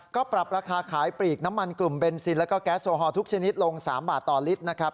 ก็ปรับราคาขายปลีกน้ำมันกลุ่มเบนซินแล้วก็แก๊สโอฮอลทุกชนิดลง๓บาทต่อลิตรนะครับ